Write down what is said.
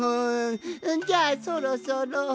じゃあそろそろ。